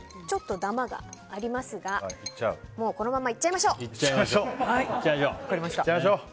ちょっとだまがありますがもうこのままいっちゃいましょう。